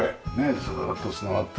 ずっと繋がって。